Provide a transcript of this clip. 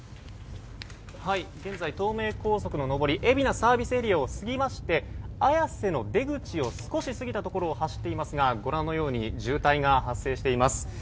現在、東名高速の上り海老名ＳＡを過ぎまして綾瀬の出口を少し過ぎたところを走っていますが、ご覧のように渋滞が発生しています。